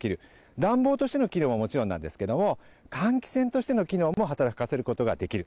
暖房としての機能ももちろんなんですけれども、換気扇としての機能も働かせることができる。